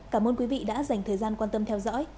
cảm ơn quý vị đã dành thời gian quan tâm theo dõi